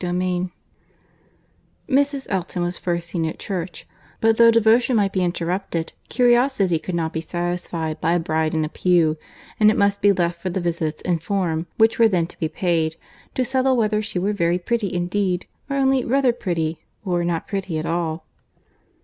CHAPTER XIV Mrs. Elton was first seen at church: but though devotion might be interrupted, curiosity could not be satisfied by a bride in a pew, and it must be left for the visits in form which were then to be paid, to settle whether she were very pretty indeed, or only rather pretty, or not pretty at all.